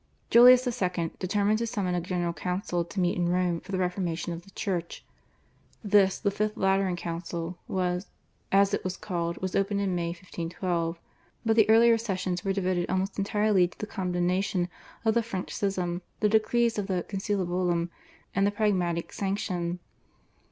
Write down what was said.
Julius II. determined to summon a General Council to meet in Rome for the reformation of the Church. This, the Fifth Lateran Council, as it was called, was opened in May 1512, but the earlier sessions were devoted almost entirely to the condemnation of the French schism, the decrees of the /Conciliabulum/ at Lyons, and the Pragmatic Sanction.